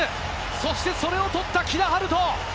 そしてそれを取った木田晴斗。